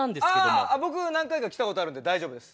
あ僕何回か来たことあるんで大丈夫です。